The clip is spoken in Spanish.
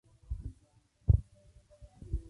Un elemento que destaca en la torre es el remate.